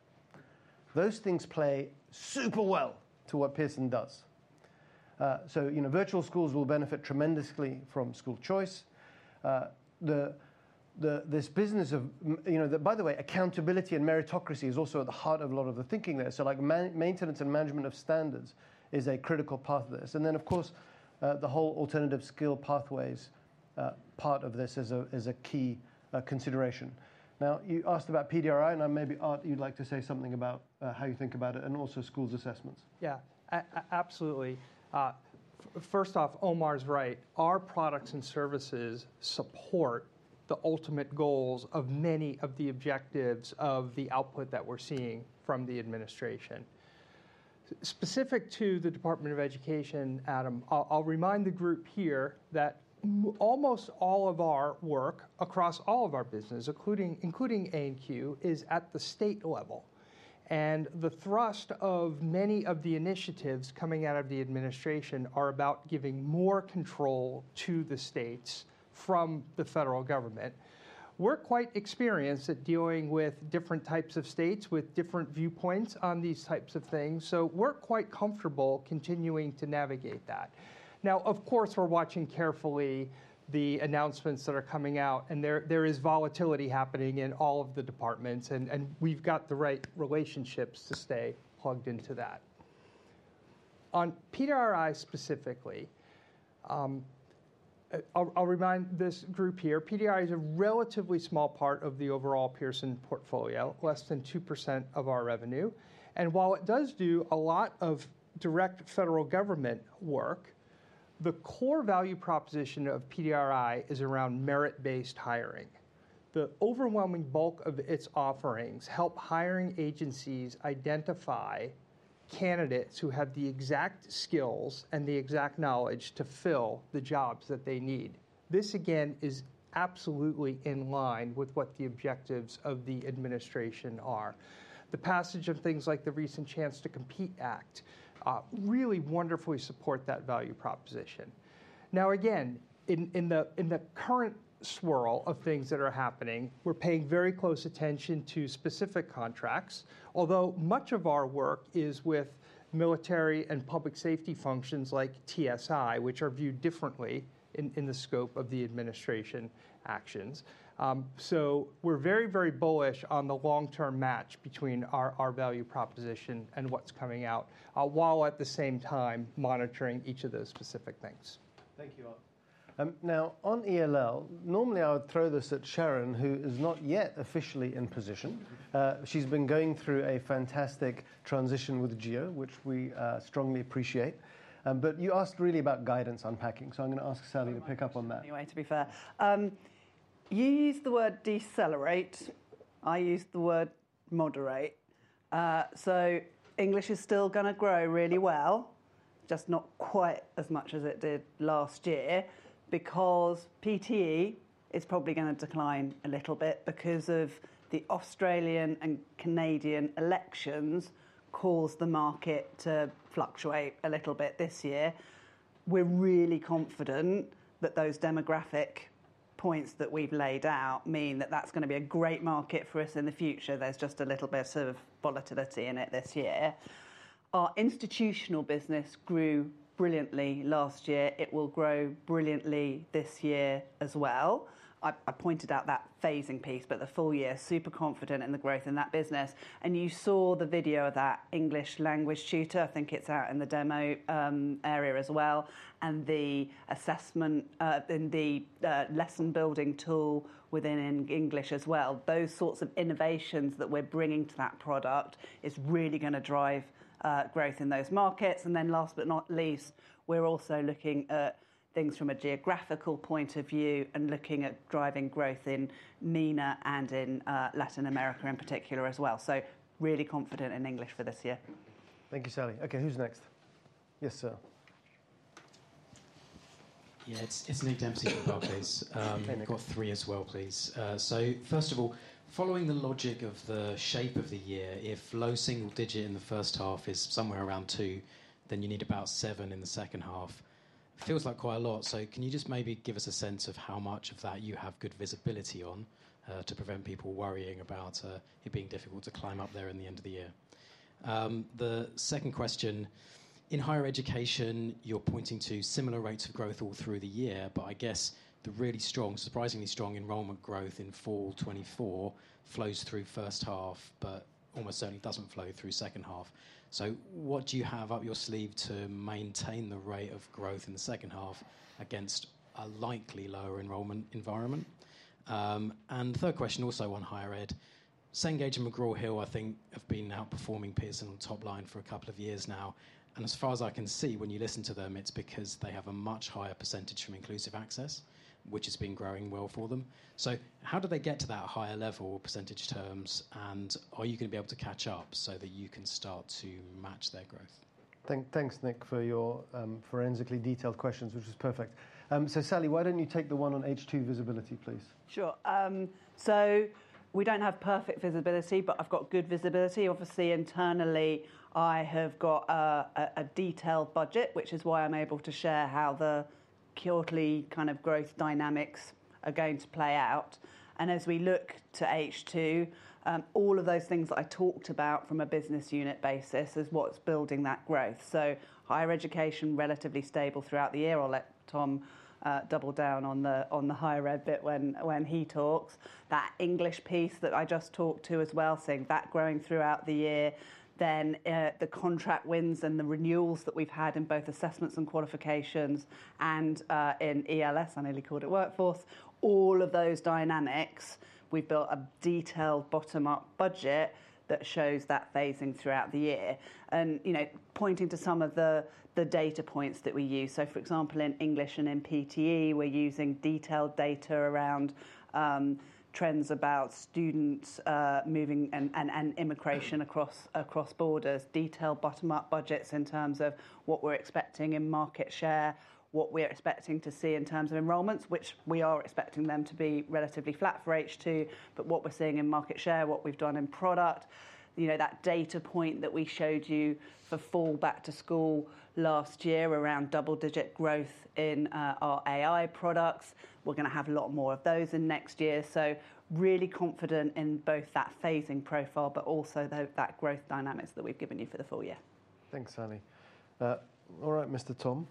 Those things play super well to what Pearson does. So Virtual Schools will benefit tremendously from school choice. This business of, by the way, accountability and meritocracy is also at the heart of a lot of the thinking there. So maintenance and management of standards is a critical part of this. And then, of course, the whole alternative skill pathways part of this is a key consideration. Now, you asked about PDRI, and I maybe, Art, you'd like to say something about how you think about it and also schools' assessments. Yeah, absolutely. First off, Omar's right. Our products and services support the ultimate goals of many of the objectives of the output that we're seeing from the administration. Specific to the Department of Education, Adam, I'll remind the group here that almost all of our work across all of our business, including A&Q, is at the state level, and the thrust of many of the initiatives coming out of the administration are about giving more control to the states from the federal government. We're quite experienced at dealing with different types of states with different viewpoints on these types of things, so we're quite comfortable continuing to navigate that. Now, of course, we're watching carefully the announcements that are coming out, and there is volatility happening in all of the departments, and we've got the right relationships to stay plugged into that. On PDRI specifically, I'll remind this group here, PDRI is a relatively small part of the overall Pearson portfolio, less than 2% of our revenue. While it does do a lot of direct federal government work, the core value proposition of PDRI is around merit-based hiring. The overwhelming bulk of its offerings help hiring agencies identify candidates who have the exact skills and the exact knowledge to fill the jobs that they need. This, again, is absolutely in line with what the objectives of the administration are. The passage of things like the recent Chance to Compete Act really wonderfully supports that value proposition. Now, again, in the current swirl of things that are happening, we're paying very close attention to specific contracts, although much of our work is with military and public safety functions like TSA, which are viewed differently in the scope of the administration actions. So we're very, very bullish on the long-term match between our value proposition and what's coming out, while at the same time monitoring each of those specific things. Thank you, Art. Now, on ELL, normally I would throw this at Sharon, who is not yet officially in position. She's been going through a fantastic transition with Gio, which we strongly appreciate. But you asked really about guidance unpacking, so I'm going to ask Sally to pick up on that. Anyway, to be fair, you used the word decelerate. I used the word moderate. So English is still going to grow really well, just not quite as much as it did last year because PTE is probably going to decline a little bit because of the Australian and Canadian elections caused the market to fluctuate a little bit this year. We're really confident that those demographic points that we've laid out mean that that's going to be a great market for us in the future. There's just a little bit of volatility in it this year. Our institutional business grew brilliantly last year. It will grow brilliantly this year as well. I pointed out that phasing piece, but the full year, super confident in the growth in that business. And you saw the video of that English language tutor. I think it's out in the demo area as well. And the assessment in the lesson building tool within English as well. Those sorts of innovations that we're bringing to that product are really going to drive growth in those markets. And then last but not least, we're also looking at things from a geographical point of view and looking at driving growth in MENA and in Latin America in particular as well. So really confident in English for this year. Thank you, Sally. Okay, who's next? Yes, sir. Yeah, it's Nick Dempsey from Barclays. I've got three as well, please. So first of all, following the logic of the shape of the year, if low single digit in the first half is somewhere around two, then you need about seven in the second half. Feels like quite a lot. So can you just maybe give us a sense of how much of that you have good visibility on to prevent people worrying about it being difficult to climb up there in the end of the year? The second question, in Higher Education, you're pointing to similar rates of growth all through the year, but I guess the really strong, surprisingly strong enrollment growth in fall 2024 flows through first half, but almost certainly doesn't flow through second half. So what do you have up your sleeve to maintain the rate of growth in the second half against a likely lower enrollment environment? And third question also on Higher Ed. Cengage and McGraw Hill, I think, have been outperforming Pearson on top line for a couple of years now. And as far as I can see, when you listen to them, it's because they have a much higher percentage from Inclusive Access, which has been growing well for them. So how do they get to that higher level percentage terms? Are you going to be able to catch up so that you can start to match their growth? Thanks, Nick, for your forensically detailed questions, which was perfect. Sally, why don't you take the one on H2 visibility, please? Sure. We don't have perfect visibility, but I've got good visibility. Obviously, internally, I have got a detailed budget, which is why I'm able to share how the Credly kind of growth dynamics are going to play out. As we look to H2, all of those things that I talked about from a business unit basis is what's building that growth. Higher Education, relatively stable throughout the year. I'll let Tom double down on the Higher Ed bit when he talks. That English piece that I just talked to as well, seeing that growing throughout the year, then the contract wins and the renewals that we've had in both assessments and qualifications and in ELS, I nearly called it workforce, all of those dynamics, we've built a detailed bottom-up budget that shows that phasing throughout the year, and pointing to some of the data points that we use. So for example, in English and in PTE, we're using detailed data around trends about students moving and immigration across borders, detailed bottom-up budgets in terms of what we're expecting in market share, what we're expecting to see in terms of enrollments, which we are expecting them to be relatively flat for H2, but what we're seeing in market share, what we've done in product, that data point that we showed you for full back to school last year around double-digit growth in our AI products. We're going to have a lot more of those in next year. So really confident in both that phasing profile, but also that growth dynamics that we've given you for the full year. Thanks, Sally. All right, Mr. Tom,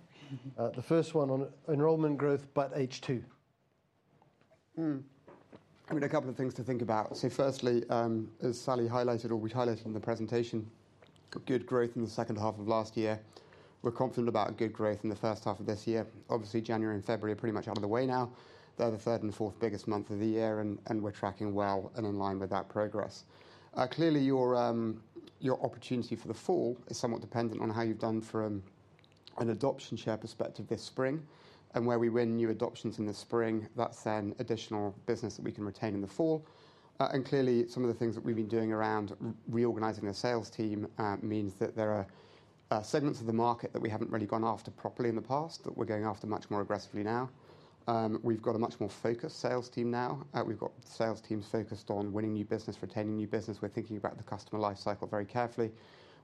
the first one on enrollment growth but H2. I mean, a couple of things to think about. So firstly, as Sally highlighted or we highlighted in the presentation, good growth in the second half of last year. We're confident about good growth in the first half of this year. Obviously, January and February are pretty much out of the way now. They're the third and fourth biggest month of the year, and we're tracking well and in line with that progress. Clearly, your opportunity for the fall is somewhat dependent on how you've done from an adoption share perspective this spring. And where we win new adoptions in the spring, that's then additional business that we can retain in the fall. And clearly, some of the things that we've been doing around reorganizing the sales team means that there are segments of the market that we haven't really gone after properly in the past that we're going after much more aggressively now. We've got a much more focused sales team now. We've got sales teams focused on winning new business, retaining new business. We're thinking about the customer lifecycle very carefully.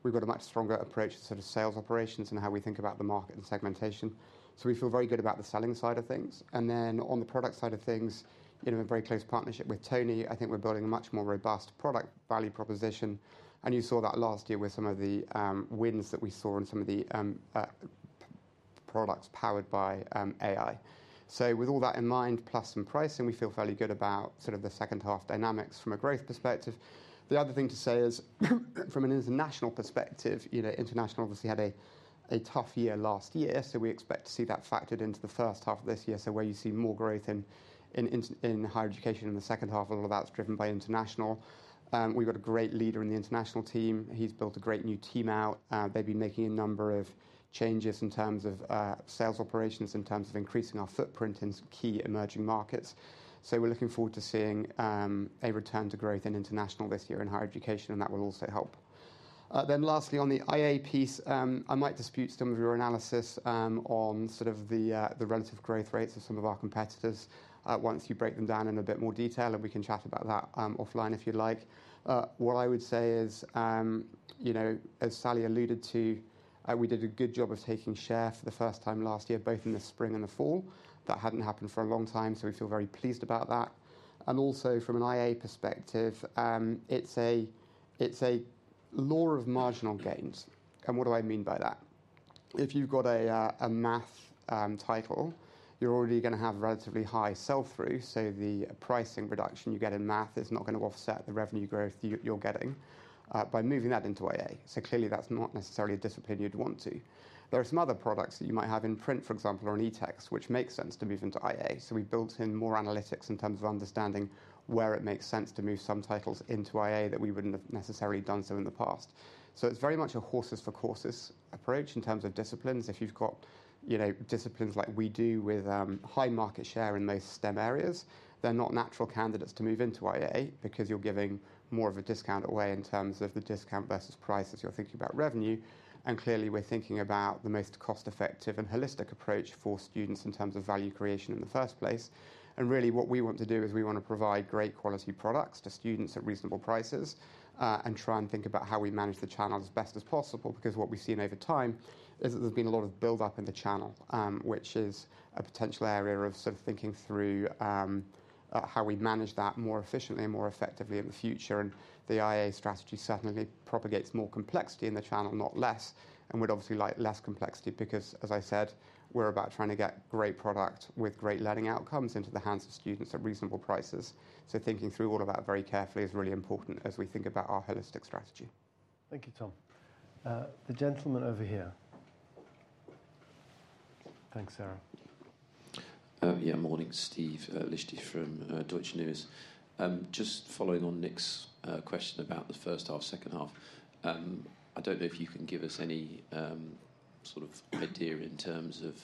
We've got a much stronger approach to sort of sales operations and how we think about the market and segmentation. So we feel very good about the selling side of things. And then on the product side of things, in a very close partnership with Tony, I think we're building a much more robust product value proposition. And you saw that last year with some of the wins that we saw in some of the products powered by AI. So with all that in mind, plus some pricing, we feel fairly good about sort of the second half dynamics from a growth perspective. The other thing to say is from an international perspective, international obviously had a tough year last year, so we expect to see that factored into the first half of this year. So where you see more growth in Higher Education in the second half, a lot of that's driven by international. We've got a great leader in the international team. He's built a great new team out. They've been making a number of changes in terms of sales operations, in terms of increasing our footprint in key emerging markets. So we're looking forward to seeing a return to growth in international this year in Higher Education, and that will also help. Then lastly, on the IA piece, I might dispute some of your analysis on sort of the relative growth rates of some of our competitors. Once you break them down in a bit more detail, and we can chat about that offline if you'd like. What I would say is, as Sally alluded to, we did a good job of taking share for the first time last year, both in the spring and the fall. That hadn't happened for a long time, so we feel very pleased about that. And also from an IA perspective, it's a law of marginal gains. And what do I mean by that? If you've got a math title, you're already going to have relatively high sell-through. So the pricing reduction you get in math is not going to offset the revenue growth you're getting by moving that into IA. So clearly, that's not necessarily a discipline you'd want to. There are some other products that you might have in print, for example, or in eText, which makes sense to move into IA. So we've built in more analytics in terms of understanding where it makes sense to move some titles into IA that we wouldn't have necessarily done so in the past. So it's very much a horses-for-courses approach in terms of disciplines. If you've got disciplines like we do with high market share in most STEM areas, they're not natural candidates to move into IA because you're giving more of a discount away in terms of the discount versus price as you're thinking about revenue, and clearly, we're thinking about the most cost-effective and holistic approach for students in terms of value creation in the first place. And really what we want to do is we want to provide great quality products to students at reasonable prices and try and think about how we manage the channel as best as possible because what we've seen over time is that there's been a lot of build-up in the channel, which is a potential area of sort of thinking through how we manage that more efficiently and more effectively in the future. And the IA strategy certainly propagates more complexity in the channel, not less. And we'd obviously like less complexity because, as I said, we're about trying to get great product with great learning outcomes into the hands of students at reasonable prices. So thinking through all of that very carefully is really important as we think about our holistic strategy. Thank you, Tom. The gentleman over here. Thanks, Sarah. Yeah, morning, Steve Liechti from Deutsche Numis. Just following on Nick's question about the first half, second half, I don't know if you can give us any sort of idea in terms of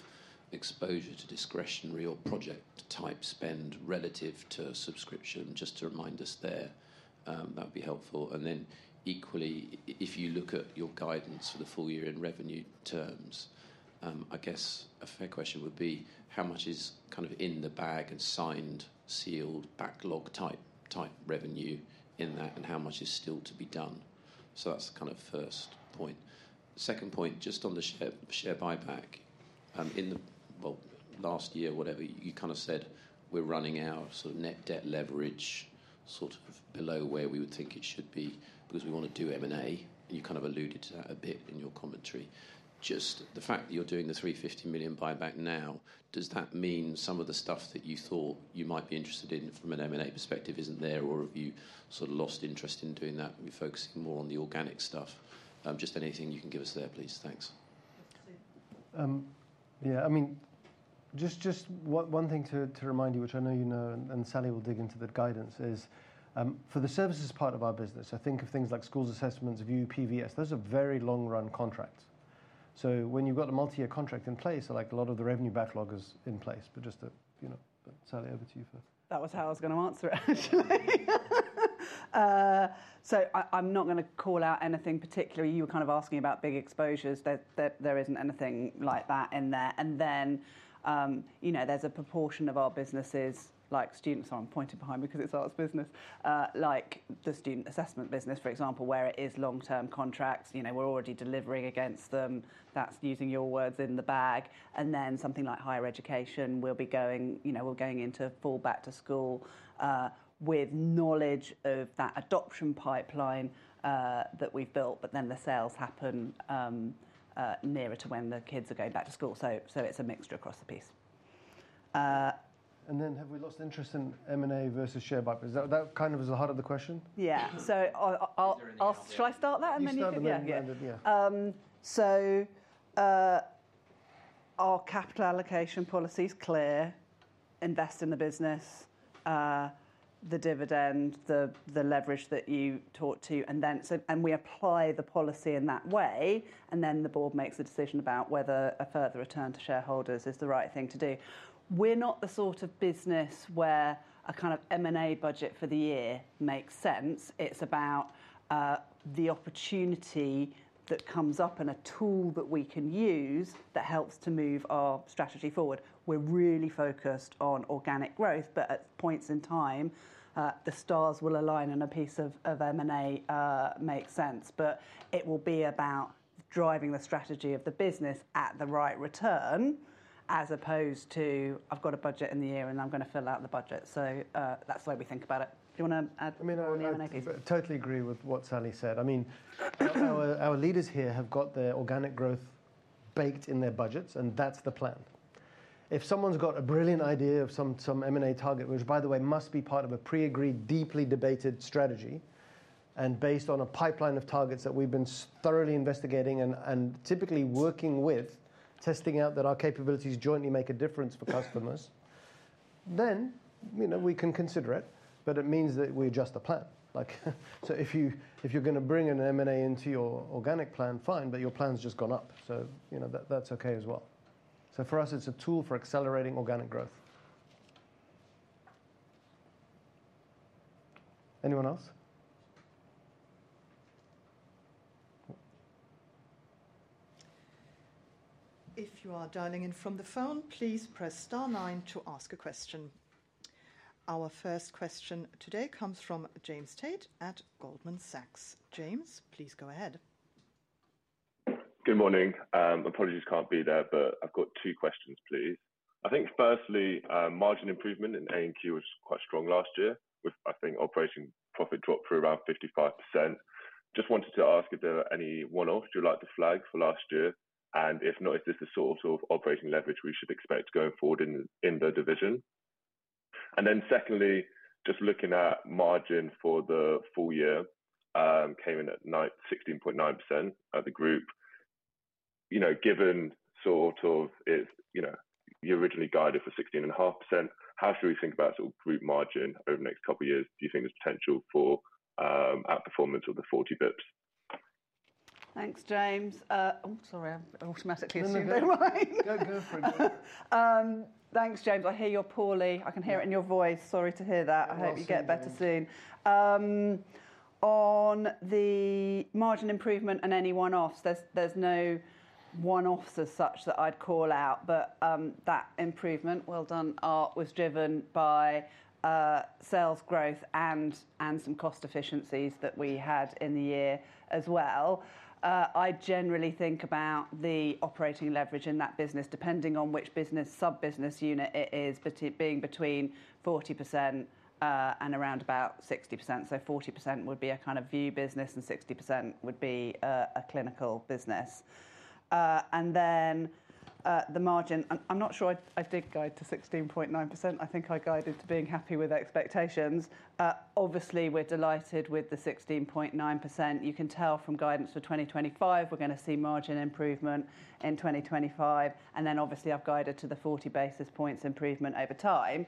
exposure to discretionary or project type spend relative to subscription, just to remind us there. That would be helpful. And then equally, if you look at your guidance for the full year in revenue terms, I guess a fair question would be, how much is kind of in the bag and signed, sealed, backlog type revenue in that, and how much is still to be done? So that's the kind of first point. Second point, just on the share buyback, in the, well, last year, whatever, you kind of said we're running out of sort of net debt leverage sort of below where we would think it should be because we want to do M&A. You kind of alluded to that a bit in your commentary. Just the fact that you're doing the 350 million buyback now, does that mean some of the stuff that you thought you might be interested in from an M&A perspective isn't there, or have you sort of lost interest in doing that? Are you focusing more on the organic stuff? Just anything you can give us there, please. Thanks. Yeah, I mean, just one thing to remind you, which I know you know, and Sally will dig into the guidance, is for the services part of our business, I think of things like schools assessments, VUE, PVS. Those are very long-run contracts. So when you've got a multi-year contract in place, like a lot of the revenue backlog is in place, but just to, Sally, over to you first. That was how I was going to answer it, actually. So I'm not going to call out anything particularly. You were kind of asking about big exposures. There isn't anything like that in there. And then there's a proportion of our businesses, like the student assessment business, for example, where it is long-term contracts. We're already delivering against them. That's using your words in the bag. And then something like Higher Education, we'll be going into full back to school with knowledge of that adoption pipeline that we've built, but then the sales happen nearer to when the kids are going back to school. So it's a mixture across the piece. And then have we lost interest in M&A versus share buyback? That kind of is the heart of the question. Yeah. So shall I start that? Yeah. So our capital allocation policy is clear. Invest in the business, the dividend, the leverage that you talk to, and we apply the policy in that way, and then the board makes a decision about whether a further return to shareholders is the right thing to do. We're not the sort of business where a kind of M&A budget for the year makes sense. It's about the opportunity that comes up and a tool that we can use that helps to move our strategy forward. We're really focused on organic growth, but at points in time, the stars will align and a piece of M&A makes sense. But it will be about driving the strategy of the business at the right return as opposed to, "I've got a budget in the year and I'm going to fill out the budget." So that's the way we think about it. Do you want to add? I mean, I totally agree with what Sally said. I mean, our leaders here have got their organic growth baked in their budgets, and that's the plan. If someone's got a brilliant idea of some M&A target, which, by the way, must be part of a pre-agreed, deeply debated strategy, and based on a pipeline of targets that we've been thoroughly investigating and typically working with, testing out that our capabilities jointly make a difference for customers, then we can consider it. But it means that we adjust the plan. So if you're going to bring an M&A into your organic plan, fine, but your plan's just gone up. So that's okay as well. So for us, it's a tool for accelerating organic growth. Anyone else? If you are dialing in from the phone, please press star nine to ask a question. Our first question today comes from James Tate at Goldman Sachs. James, please go ahead. Good morning. Apologies, I can't be there, but I've got two questions, please. I think firstly, margin improvement in A&Q was quite strong last year, with, I think, operating profit drop-through around 55%. Just wanted to ask if there are any one-offs you'd like to flag for last year. And if not, is this the sort of operating leverage we should expect going forward in the division? And then secondly, just looking at margin for the full year, came in at 16.9% of the group. Given sort of you originally guided for 16.5%, how should we think about sort of group margin over the next couple of years? Do you think there's potential for outperformance of the 40 basis points? Thanks, James. I'm sorry, I automatically assumed they were mine. Thanks, James. I hear you poorly. I can hear it in your voice. Sorry to hear that. I hope you get better soon. On the margin improvement and any one-offs, there's no one-offs as such that I'd call out, but that improvement, well done, was driven by sales growth and some cost efficiencies that we had in the year as well. I generally think about the operating leverage in that business, depending on which business sub-business unit it is, but being between 40% and around about 60%. So 40% would be a kind of VUE business and 60% would be a clinical business. And then the margin, I'm not sure I did guide to 16.9%. I think I guided to being happy with expectations. Obviously, we're delighted with the 16.9%. You can tell from guidance for 2025, we're going to see margin improvement in 2025. And then obviously, I've guided to the 40 basis points improvement over time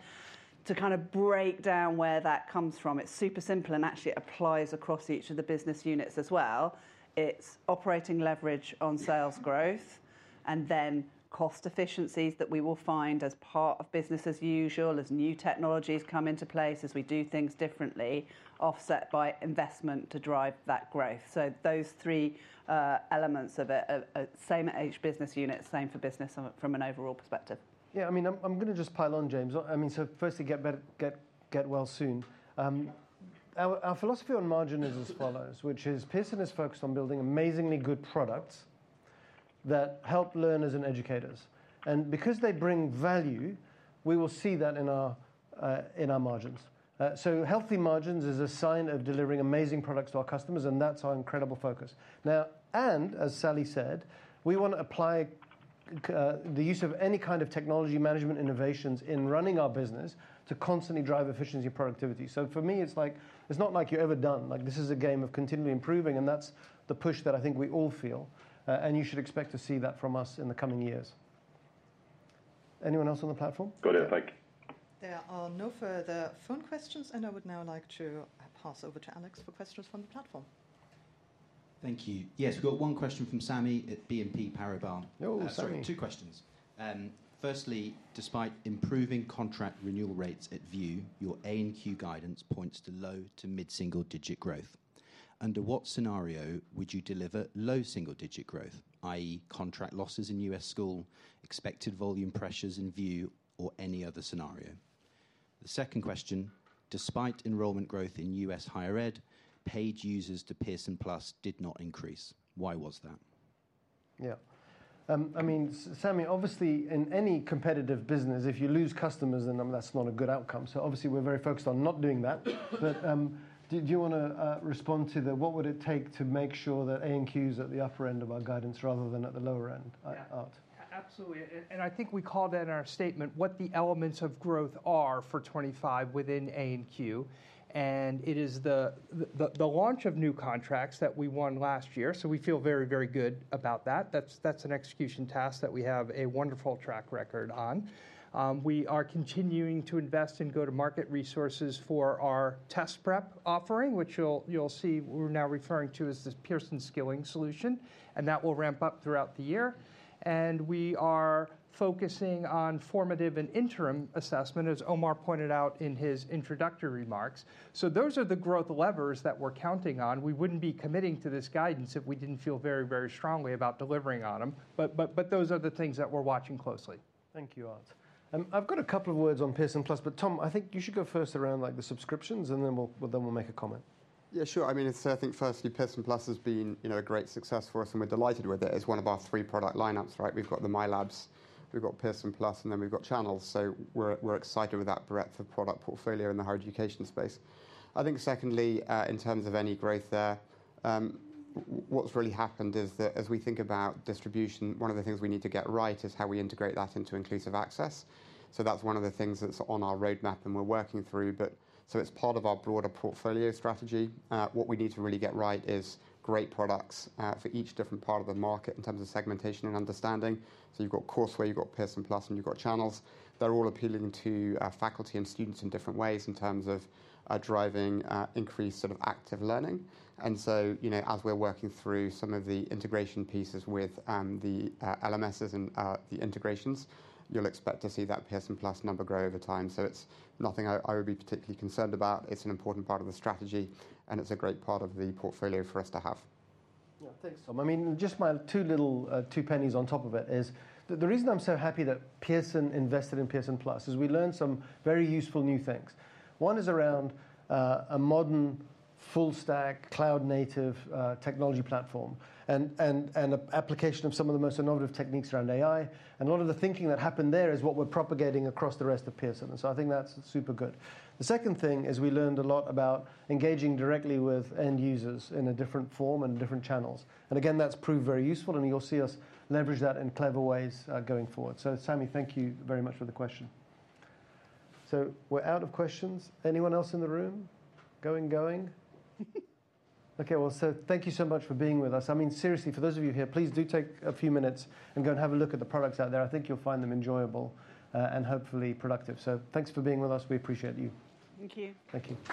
to kind of break down where that comes from. It's super simple, and actually it applies across each of the business units as well. It's operating leverage on sales growth, and then cost efficiencies that we will find as part of business as usual, as new technologies come into place, as we do things differently, offset by investment to drive that growth. So those three elements of it, same for each business unit, same for the business from an overall perspective. Yeah, I mean, I'm going to just pile on, James. I mean, so firstly, get well soon. Our philosophy on margin is as follows, which is Pearson is focused on building amazingly good products that help learners and educators. And because they bring value, we will see that in our margins. So healthy margins is a sign of delivering amazing products to our customers, and that's our incredible focus. Now, and as Sally said, we want to apply the use of any kind of technology management innovations in running our business to constantly drive efficiency and productivity. So for me, it's not like you're ever done. This is a game of continually improving, and that's the push that I think we all feel. And you should expect to see that from us in the coming years. Anyone else on the platform? Got it. Thank you. There are no further phone questions, and I would now like to pass over to Alex for questions from the platform. Thank you. Yes, we've got one question from Sami at BNP Paribas. Sorry, two questions. Firstly, despite improving contract renewal rates at VUE, your A&Q guidance points to low to mid-single digit growth. Under what scenario would you deliver low single digit growth, i.e., contract losses in U.S. school, expected volume pressures in VUE, or any other scenario? The second question, despite enrollment growth in U.S. Higher Ed, paid users to Pearson+ did not increase. Why was that? Yeah. I mean, Sami, obviously, in any competitive business, if you lose customers, then that's not a good outcome. So obviously, we're very focused on not doing that. But do you want to respond to the, what would it take to make sure that A&Q is at the upper end of our guidance rather than at the lower end? Absolutely. And I think we called that in our statement, what the elements of growth are for 2025 within A&Q. And it is the launch of new contracts that we won last year. So we feel very, very good about that. That's an execution task that we have a wonderful track record on. We are continuing to invest in go-to-market resources for our test prep offering, which you'll see we're now referring to as this Pearson Skilling solution, and that will ramp up throughout the year, and we are focusing on formative and interim assessment, as Omar pointed out in his introductory remarks, so those are the growth levers that we're counting on. We wouldn't be committing to this guidance if we didn't feel very, very strongly about delivering on them, but those are the things that we're watching closely. Thank you, Art. I've got a couple of words on Pearson+, but Tom, I think you should go first around the subscriptions, and then we'll make a comment. Yeah, sure. I mean, I think firstly, Pearson+ has been a great success for us, and we're delighted with it as one of our three product lineups, right? We've got the MyLabs, we've got Pearson+, and then we've got Channels. So we're excited with that breadth of product portfolio in the Higher Education space. I think secondly, in terms of any growth there, what's really happened is that as we think about distribution, one of the things we need to get right is how we integrate that into Inclusive Access. So that's one of the things that's on our roadmap and we're working through. So it's part of our broader portfolio strategy. What we need to really get right is great products for each different part of the market in terms of segmentation and understanding. So you've got Courseware, you've got Pearson+, and you've got Channels. They're all appealing to faculty and students in different ways in terms of driving increased sort of active learning. And so as we're working through some of the integration pieces with the LMSs and the integrations, you'll expect to see that Pearson+ number grow over time. So it's nothing I would be particularly concerned about. It's an important part of the strategy, and it's a great part of the portfolio for us to have. Yeah, thanks, Tom. I mean, just my two little two pennies on top of it is that the reason I'm so happy that Pearson invested in Pearson+ is we learned some very useful new things. One is around a modern full-stack cloud-native technology platform and an application of some of the most innovative techniques around AI. And a lot of the thinking that happened there is what we're propagating across the rest of Pearson. And so I think that's super good. The second thing is we learned a lot about engaging directly with end users in a different form and different channels. And again, that's proved very useful, and you'll see us leverage that in clever ways going forward. So Sami, thank you very much for the question. So we're out of questions. Anyone else in the room? Going, going. Okay, well, so thank you so much for being with us. I mean, seriously, for those of you here, please do take a few minutes and go and have a look at the products out there. I think you'll find them enjoyable and hopefully productive. So thanks for being with us. We appreciate you. Thank you. Thank you.